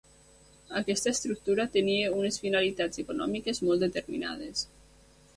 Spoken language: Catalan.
Aquesta estructura tenia unes finalitats econòmiques molt determinades.